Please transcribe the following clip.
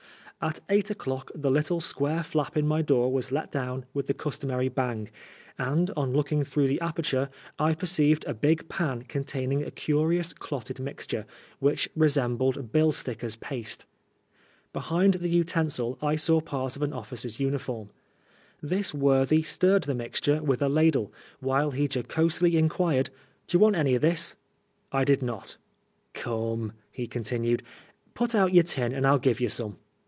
At eight o'clock 109 the little square flap in my door was let down with the customary bang, and, on looking through the aperture, I perceived a big pan containing a curious clotted mix tore, which resembled bill stickers' paste. Behind the utensil I saw part of an officer's uniform. This worthy stirred the mixture with a ladle, while he jocosely in quired, " D'ye want any of this ?" I did not. " Come," he continued, " put out your tin and FU give you some.'